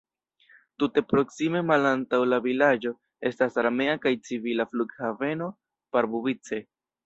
Tute proksime malantaŭ la vilaĝo estas armea kaj civila flughaveno Pardubice.